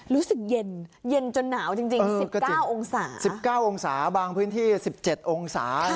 รู้สึกเย็นเย็นจนหนาวจริง๑๙องศา๑๙องศาบางพื้นที่๑๗องศา